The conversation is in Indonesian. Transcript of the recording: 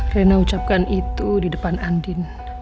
rena ucapkan itu di depan andin